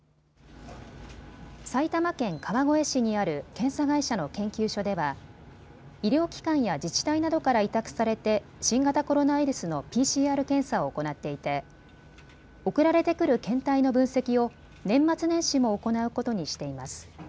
埼玉県川越市にある検査会社の研究所では医療機関や自治体などから委託されて新型コロナウイルスのＰＣＲ検査を行っていて送られてくる検体の分析を年末年始も行うことにしています。